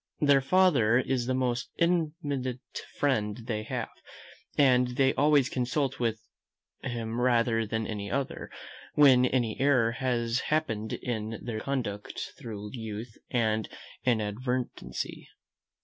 Their father is the most intimate friend they have; and they always consult him rather than any other, when any error has happened in their conduct through youth and inadvertency.